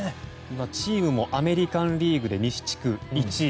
チームもアメリカン・リーグで西地区１位。